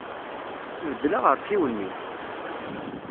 Beddel aɣersiw-nni!